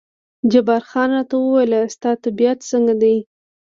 جبار خان راته وویل ستا طبیعت څنګه دی؟